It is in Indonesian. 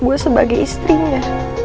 gue sebagai istrinya